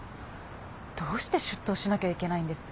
どうして出頭しなきゃいけないんです？